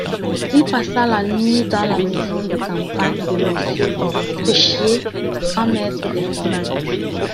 Il passa la nuit dans la maison de campagne de Monsieur Tritschier, grand-maître des forêts.